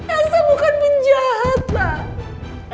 elsa bukan penjahat pak